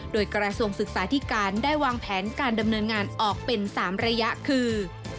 โดยกระทรวงศึกษาธิการได้วางแผนการดำเนินงานออกเป็น๓ระยะคือ